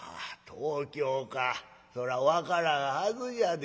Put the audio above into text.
そら分からんはずじゃで。